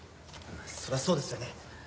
そらそうですよね。